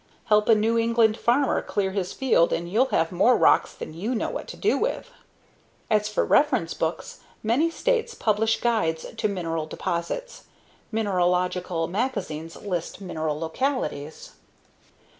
Help a New England farmer clear his field and you'll have more rocks than you know what to do with. As for reference books, many states publish guides to mineral deposits. Mineralogical magazines list mineral localities.